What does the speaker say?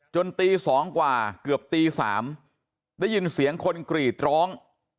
ตี๒กว่าเกือบตี๓ได้ยินเสียงคนกรีดร้อง